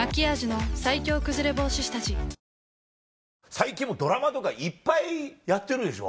最近もうドラマとかいっぱいやってるでしょ。